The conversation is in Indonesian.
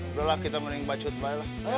sudahlah kita mending bacot pak